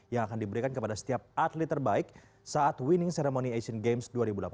yang akan diberikan kepada setiap atlet terbaik saat winning ceremony asian games dua ribu delapan belas